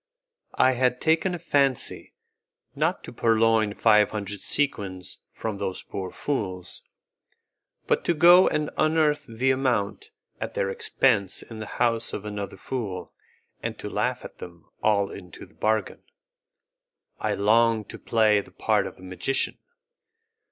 I had taken a fancy, not to purloin five hundred sequins from those poor fools, but to go and unearth the amount at their expense in the house of another fool, and to laugh at them all into the bargain. I longed to play the part of a magician.